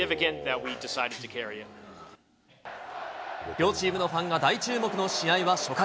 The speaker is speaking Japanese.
両チームのファンが大注目の試合は初回。